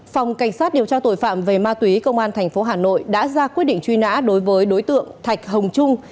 phòng cảnh sát điều tra tội phạm về ma túy công an tp hà nội đã ra quyết định truy nã đối với đối tượng thạch hồng trung